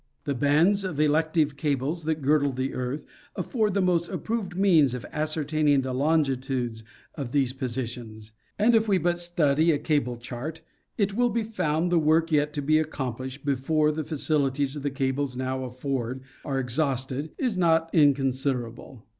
The bands of electric cables that girdle the earth, afford the most approved means of ascertaining the longitudes of these posi tions; and if we but study a cable chart, it will be found the work yet to be accomplished before the facilities the cables now afford are exhausted, is not inconsiderable.